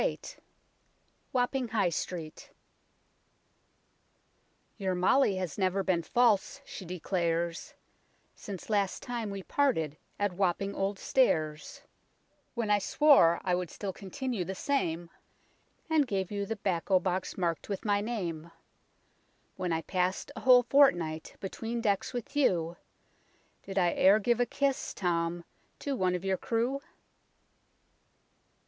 VIII WAPPING HIGH STREET " Your Molly has never been false, she declares, Since last time we parted at Wapping Old Stairs, When I swore I still would continue the same, And gave you the 'bacco box mark'd with my name. When I passed a whole fortnight between decks with you, Did I e'er give a kiss, Tom, to one of your crew